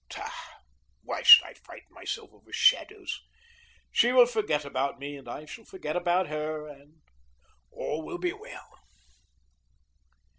Tut! why should I frighten myself over shadows? She will forget about me, and I shall forget about her, and all will be well.